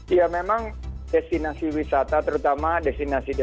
ya memang destinasi wisata terutama destinasi destin